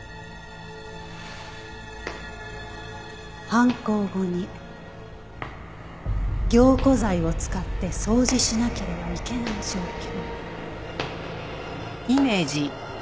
犯行後に凝固剤を使って掃除しなければいけない状況。